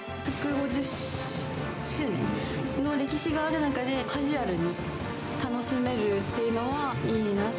１５０周年の歴史がある中で、カジュアルに楽しめるっていうのがいいな。